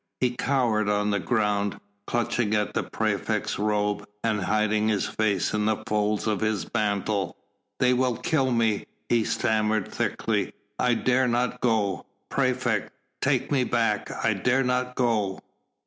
He cowered on the ground, clutching at the praefect's robe and hiding his face in the folds of his mantle. "They will kill me!" he stammered thickly. "I dare not go, praefect!... take me back ... I dare not go!"